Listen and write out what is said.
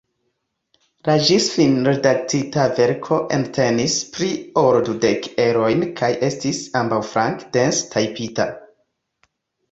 La ĝisfine redaktita verko entenis pli ol dudek erojn kaj estis ambaŭflanke dense tajpita.